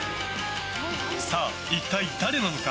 さあ、一体誰なのか。